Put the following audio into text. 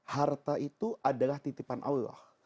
harta itu adalah titipan allah